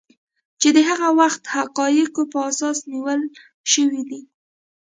چې د هغه وخت حقایقو په اساس نیول شوي دي